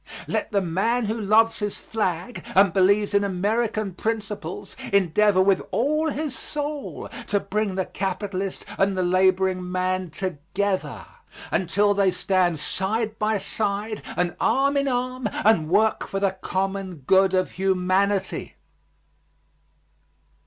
Let the man who loves his flag and believes in American principles endeavor with all his soul to bring the capitalist and the laboring man together until they stand side by side, and arm in arm, and work for the common good of humanity.